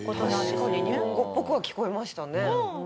確かに日本語っぽくは聞こえましたね。